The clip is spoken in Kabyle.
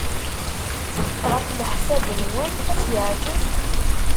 Ɣef leḥsab-nwen, ad as-yeɛjeb?